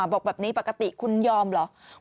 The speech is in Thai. บอกแบบนี้ปกติคุณยอมเหรอ